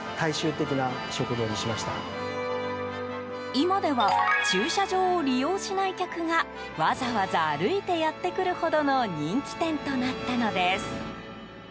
今では駐車場を利用しない客がわざわざ歩いてやってくるほどの人気店となったのです。